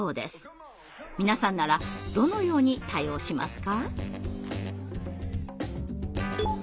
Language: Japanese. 皆さんならどのように対応しますか？